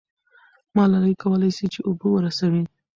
ملالۍ کولای سي چې اوبه ورسوي.